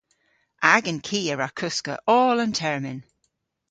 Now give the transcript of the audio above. Agan ki a wra koska oll an termyn.